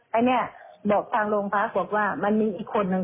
ให้ไม่บอกการรงพราคบอกว่ามันมีอีกคนหนึ่ง